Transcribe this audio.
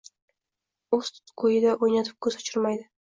O‘z ko‘yida o‘ynatib ko‘z ochirmaydi.